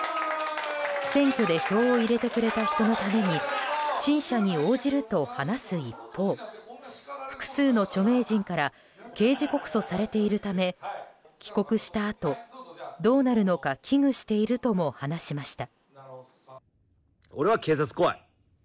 選挙で票を入れてくれた人のために陳謝に応じると話す一方複数の著名人から刑事告訴されているため帰国したあと、どうなるのか危惧しているとも話しました。